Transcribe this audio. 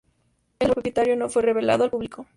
El nombre del nuevo propietario no fue revelado al público.